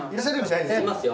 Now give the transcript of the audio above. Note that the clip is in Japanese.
いますよ